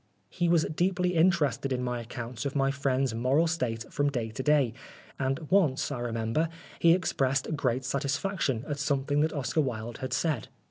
He was deeply interested in my accounts of my friend's moral state from day to day, and once, I remember, he expressed great satisfaction at something that Oscar Wilde had said.